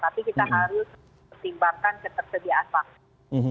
tapi kita harus pertimbangkan ketersediaan vaksin